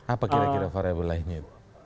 apa kira kira variabel lainnya